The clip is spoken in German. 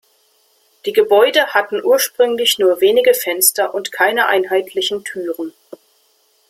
Die Gebäude hatten ursprünglich nur wenige Fenster und keine einheitlichen Türen.